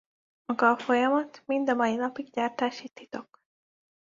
Maga a folyamat mind a mai napig gyártási titok.